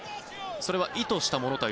それは意図したものだと。